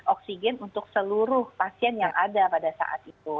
oksigen untuk seluruh pasien yang ada pada saat itu